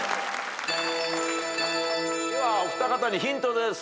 ではお二方にヒントです。